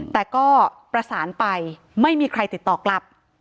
แต่ก็ประสานไปไม่มีใครติดต่อกลับ